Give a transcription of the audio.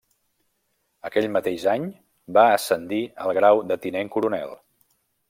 Aquell mateix any va ascendir al grau de tinent coronel.